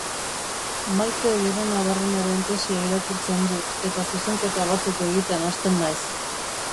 Maite Gerenabarrenaren tesia irakurtzen dut, eta zuzenketa batzuk egiten hasten naiz.